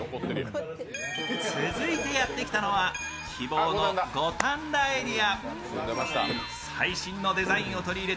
続いてやってきたのは希望の五反田エリア。